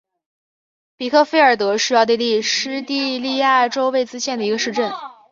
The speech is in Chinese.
比克费尔德是奥地利施蒂利亚州魏茨县的一个市镇。